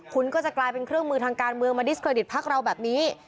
คุณก็จะกลายเป็นเครื่องมือทางการเมืองมาดิสเครดิตพักเราแบบนี้